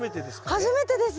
初めてです。